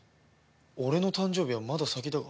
俺の誕生日はまだ先だが。